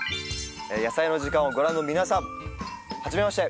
「やさいの時間」をご覧の皆さんはじめまして。